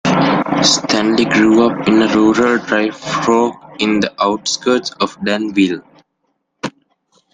Stanley grew up in rural Dry Fork in the outskirts of Danville.